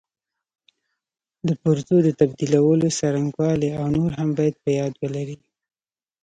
د پرزو د تبدیلولو څرنګوالي او نور هم باید په یاد ولري.